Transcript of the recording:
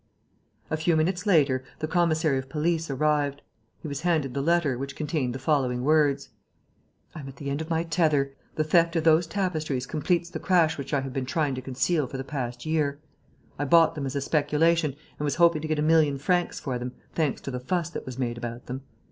A few minutes later, the commissary of police arrived. He was handed the letter, which contained the following words: "I am at the end of my tether. The theft of those tapestries completes the crash which I have been trying to conceal for the past year. I bought them as a speculation and was hoping to get a million francs for them, thanks to the fuss that was made about them.